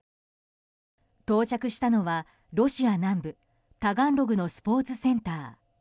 到着したのはロシア南部タガンログのスポーツセンター。